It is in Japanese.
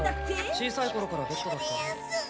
小さい頃からベッドだった。